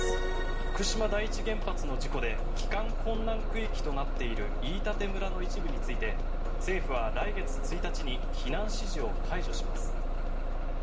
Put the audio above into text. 福島第一原発の事故で帰還困難区域となっている飯舘村の一部について政府は来月１日に避難指示を解除します。